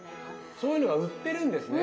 そういうのが売ってるんですね。